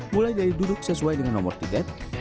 mulai dari duduk sesuai dengan nomor tiket